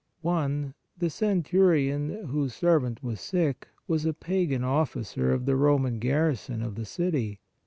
I. The centurion, whose servant was sick, was a pagan officer of the Roman garrison of the city.